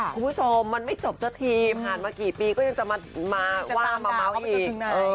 คุณผู้ชมมันไม่จบสักทีผ่านมากี่ปีก็ยังจะมาว่ามาเมาส์อีก